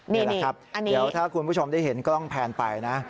นี่แหละครับเดี๋ยวถ้าคุณผู้ชมได้เห็นกล้องแพนไปนะ